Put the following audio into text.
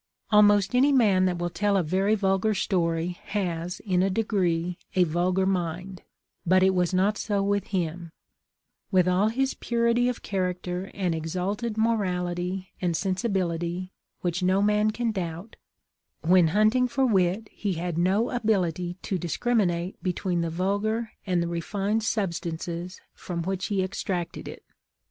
Almost any man that will tell a very vulgar story, has, in a degree, a vul gar mind ; but it was not so with him ; with all his purity of character and exalted morality and sensi bility, which no man can doubt, when hunting for wit he had no ability to discriminate between the vulgar and the refined substances from which he extracted it.